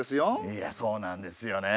いやそうなんですよね。